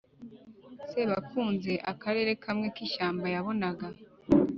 sebakunze akarere kamwe k’ishyamba yabonaga